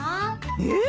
えっ？